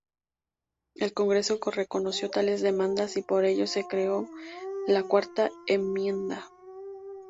El Congreso reconoció tales demandas, y por ello se creó la Cuarta Enmienda.